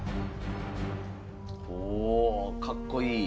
おおかっこいい。